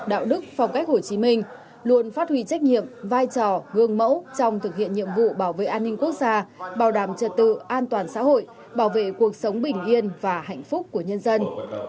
đạo đức phong cách hồ chí minh luôn phát huy trách nhiệm vai trò gương mẫu trong thực hiện nhiệm vụ bảo vệ an ninh quốc gia bảo đảm trật tự an toàn xã hội bảo vệ cuộc sống bình yên và hạnh phúc của nhân dân